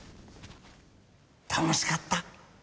楽しかった？